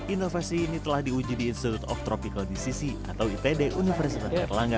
inovasi ini telah diuji di institut of tropical decision atau itd universitas ketelangga